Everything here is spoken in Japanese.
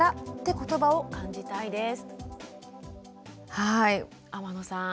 はい天野さん